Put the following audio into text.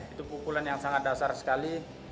itu pukulan yang sangat dasar sekali